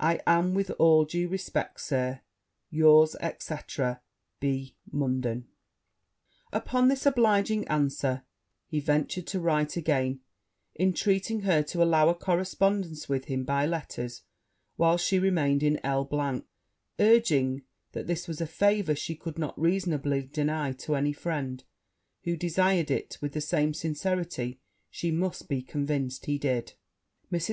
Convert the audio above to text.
I am, with all due respect, Sir, yours, &c. B. MUNDEN.' Upon this obliging answer he ventured to write again, intreating her to allow a correspondence with him by letters while she remained in L e; urging, that this was a favour she could not reasonably deny to any friend who desired it with the same sincerity she must be convinced he did. Mrs.